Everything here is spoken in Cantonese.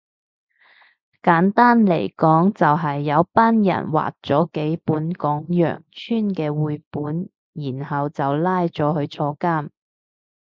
簡單嚟講就係有班人畫咗幾本講羊村嘅繪本然後就拉咗去坐監